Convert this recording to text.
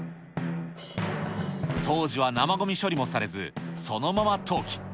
当時は生ごみ処理もされず、そのまま投棄。